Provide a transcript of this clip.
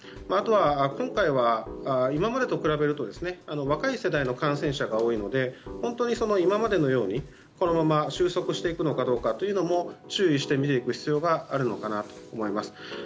あとは今回は今までと比べると若い世代の感染者が多いので本当に今までのようにこのまま収束していくのかどうかも注意して見ていく必要があると思います。